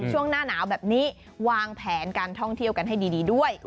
ช่วงหน้าหนาวแบบนี้วางแผนการท่องเที่ยวกันให้ดีด้วย